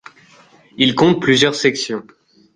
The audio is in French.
Il compte plusieurs sections.